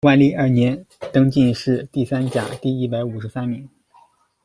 万历二年，登进士第三甲第一百五十三名。